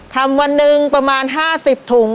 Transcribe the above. วันหนึ่งประมาณ๕๐ถุง